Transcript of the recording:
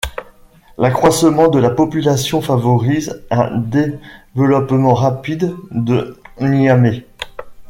L'accroissement de la population favorise un développement rapide de Niamey.